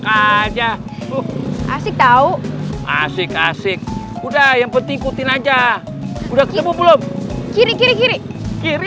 aja asik tahu asik asik udah yang penting ikutin aja udah kelihatan belum kiri kiri kiri kiri